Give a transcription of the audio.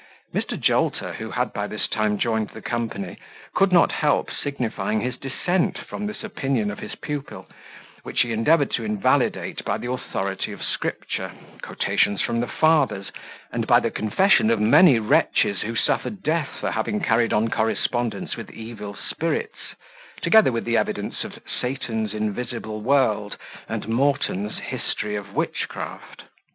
Mr. Jolter, who had by this time joined the company, could not help signifying his dissent from this opinion of his pupil, which he endeavoured to invalidate by the authority of Scripture, quotations from the Fathers, and the confession of many wretches who suffered death for having carried on correspondence with evil spirits together with the evidence of "Satan's Invisible World," and Moreton's "History of Witchcraft."